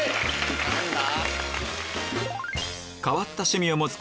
何だ？